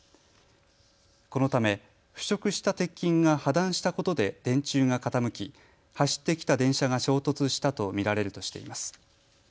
このため腐食した鉄筋が破断したことで電柱が傾き、走ってきた電車が衝突したと見られるとしています。